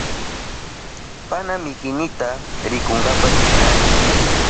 Panamihinita rikunapa rishkani.